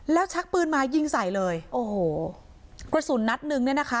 แล้วชักปืนมายิงใส่เลยโอ้โหกระสุนนัดหนึ่งเนี่ยนะคะ